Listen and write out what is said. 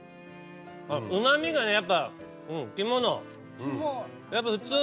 うまみがねやっぱ肝の。